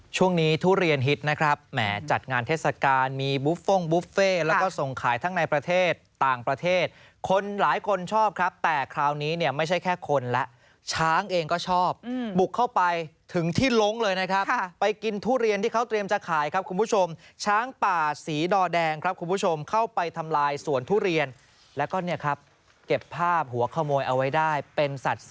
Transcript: ช่วงนี้ทุเรียนฮิตนะครับแหม่จัดงานเทศกาลมีบุฟโฟ่งบุฟเฟ่แล้วก็ส่งขายทั้งในประเทศต่างประเทศคนหลายคนชอบครับแต่คราวนี้เนี่ยไม่ใช่แค่คนและช้างเองก็ชอบอืมบุกเข้าไปถึงที่ลงเลยนะครับค่ะไปกินทุเรียนที่เขาเตรียมจะขายครับคุณผู้ชมช้างป่าสีด่อแดงครับคุณผู้ชมเข้าไปทำลายสวนทุเรียนแล